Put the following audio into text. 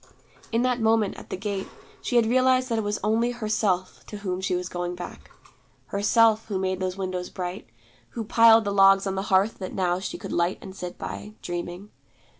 In that moment at the gate, she had realized that it was only Herself to whom she was going back. Herself, who made those windows bright, who piled the logs on the hearth that now she could light and sit by, dreaming.